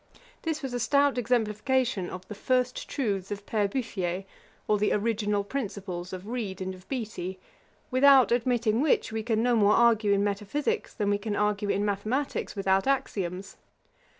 This was a stout exemplification of the first truths of Pere Bouffier, or the original principles of Reid and of Beattie; without admitting which, we can no more argue in metaphysicks, than we can argue in mathematicks without axioms.